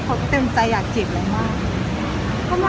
เขาเต็มใจอยากจิบเลยว่า